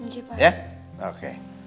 hai sebagai topik